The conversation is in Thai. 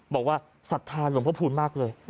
บอกว่าสัตว์ธานหลวงพระพูลมากเลย